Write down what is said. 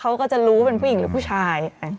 เริ่มค่ะเริ่มมา